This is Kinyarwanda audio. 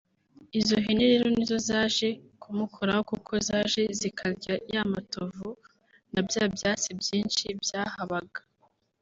Izo hene rero ni zo zaje kumukoraho kuko zaje zikarya ya matovu na bya byatsi byinshi byahabaga